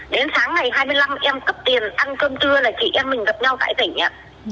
đến sáng ngày hai mươi năm em cấp tiền ăn cơm trưa là chị em mình gặp nhau tại tỉnh ạ